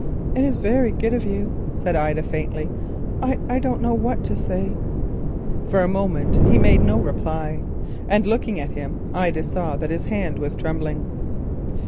"It is very good of you," said Ida faintly, "I don't know what to say." For a moment he made no reply, and looking at him, Ida saw that his hand was trembling.